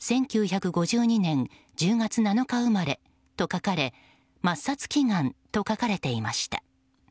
１９５２年１０月７日生まれと書かれ抹殺祈願と書かれていました。